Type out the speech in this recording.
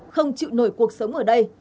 không chịu nổi cuộc sống ở đây